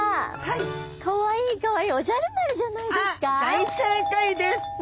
大正解です！